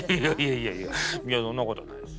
いやいやいやそんなことはないです。